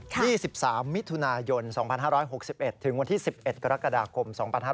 ที่๑๓มิถุนายน๒๕๖๑ถึงวันที่๑๑กรกฎาคม๒๕๖๑